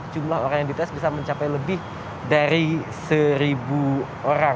jumlah orang yang dites bisa mencapai lebih dari seribu orang